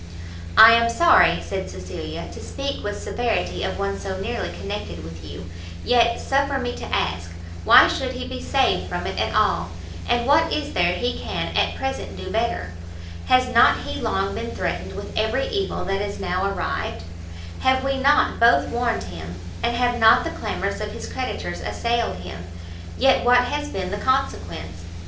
"I am sorry," said Cecilia, "to speak with severity of one so nearly connected with you, yet, suffer me to ask, why should he be saved from it at all? and what is there he can at present do better? Has not he long been threatened with every evil that is now arrived? have we not both warned him, and have not the clamours of his creditors assailed him? yet what has been the consequence?